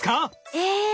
え。